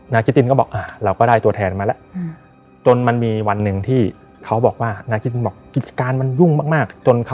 คิตตินก็บอกเราก็ได้ตัวแทนมาแล้วจนมันมีวันหนึ่งที่เขาบอกว่านาคิตตินบอกกิจการมันยุ่งมากจนเขา